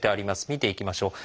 見ていきましょう。